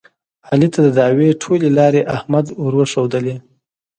علي ته د دعوې ټولې لارې احمد ورښودلې.